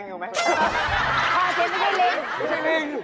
พ่อเจ๊ไม่ใช่ลิง